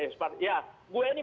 seperti yang ya gue ini